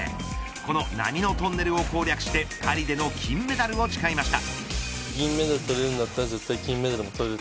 この波のトンネルを攻略してパリでの金メダルを誓いました。